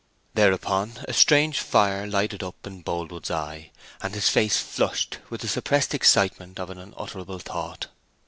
Thereupon a strange fire lighted up Boldwood's eye, and his face flushed with the suppressed excitement of an unutterable thought.